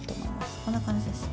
こんな感じです。